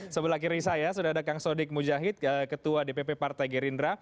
sebelah kiri saya sudah ada kang sodik mujahid ketua dpp partai gerindra